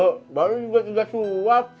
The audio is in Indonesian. aduh baru juga tidak suap